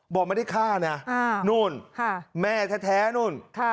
บอกไม่ได้ฆ่านะนู่นแม่แท้นู่น